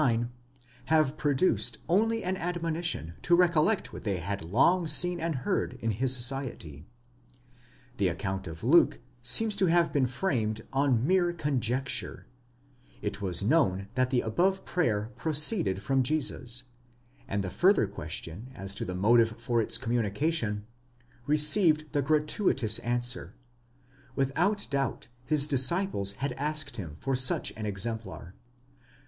9, have produced only an admonition to recollect what they had long seen and heard in his society. The account of Luke seems to have been framed on mere conjecture ; it was known that the above prayer proceeded from Jesus, and the further question as to the motive for its communication, received the gratuitous answer: without doubt his dis ciples had asked him for such an exemplar.